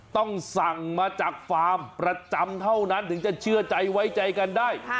ต้องสั่งมาจากฟาร์มประจำเท่านั้นถึงจะเชื่อใจไว้ใจกันได้